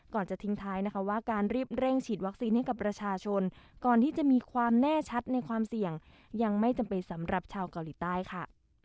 จะทิ้งท้ายนะคะว่าการรีบเร่งฉีดวัคซีนให้กับประชาชนก่อนที่จะมีความแน่ชัดในความเสี่ยงยังไม่จำเป็นสำหรับชาวเกาหลีใต้ค่ะ